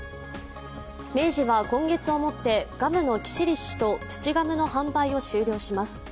明治は今月をもってガムのキシリッシュとプチガムの販売を終了します。